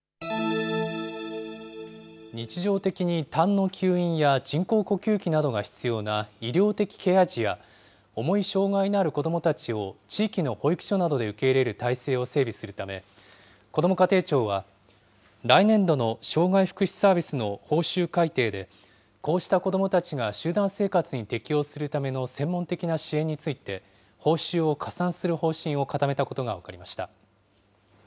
日常的にたんの吸引や、人工呼吸器などが必要な医療的ケア児や、重い障害のある子どもたちを地域の保育所などで受け入れる体制を整備するため、こども家庭庁は、来年度の障害福祉サービスの報酬改定で、こうした子どもたちが集団生活に適応するための専門的な支援について、報酬を加算する方針を固めたことが分かりました。